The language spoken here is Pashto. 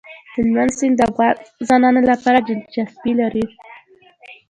هلمند سیند د افغان ځوانانو لپاره دلچسپي لري.